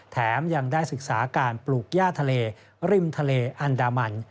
แถมยังได้ศึกษาการปลูกย่าทะเลริมทะเลอันดามัน